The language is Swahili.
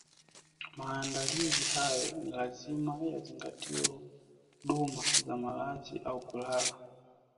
Maandalizi hayo ni lazima yazingatie huduma za malazi au kulala